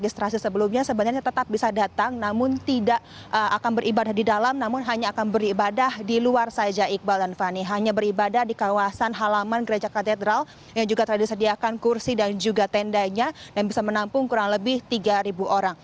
ilustrasi sebelumnya sebenarnya tetap bisa datang namun tidak akan beribadah di dalam namun hanya akan beribadah di luar saja iqbal dan fani hanya beribadah di kawasan halaman gereja katedral yang juga telah disediakan kursi dan juga tendanya dan bisa menampung kurang lebih tiga orang